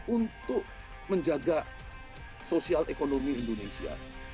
untuk menjaga sosial ekonomi indonesia